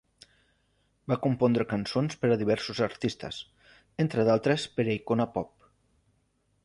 Va compondre cançons per a diversos artistes, entre d'altres per a Icona Pop.